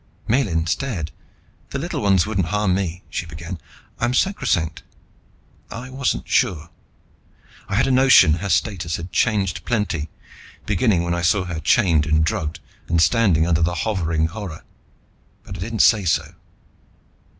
Miellyn stared. "The Little Ones would not harm me," she began. "I am sacrosanct." I wasn't sure. I had a notion her status had changed plenty, beginning when I saw her chained and drugged, and standing under the hovering horror. But I didn't say so.